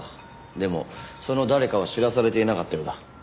でもその誰かは知らされていなかったようだ。